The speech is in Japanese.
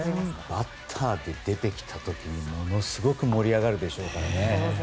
バッターで出てきた時にものすごく盛り上がるでしょうからね。